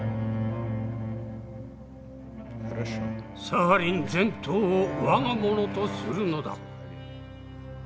サハリン全島を我がものとするのだ。